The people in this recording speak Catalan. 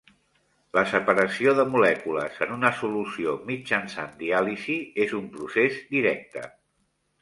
La separació de molècules en una solució mitjançant diàlisi és un procés directe.